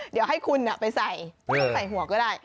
เดี๋ยวให้คุณไปใส่ต้องใส่หัวก็ได้